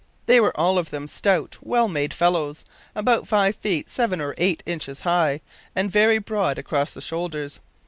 They were all of them stout, well made fellows, about five feet seven or eight inches high, and very broad across the shoulders.